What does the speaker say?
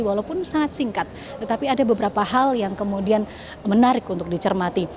walaupun sangat singkat tetapi ada beberapa hal yang kemudian menarik untuk dicermati